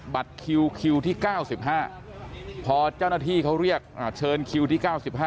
บัตรคิวคิวที่๙๕พอเจ้าหน้าที่เขาเรียกเชิญคิวที่๙๕